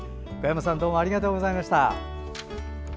小山さん、どうもありがとうございました。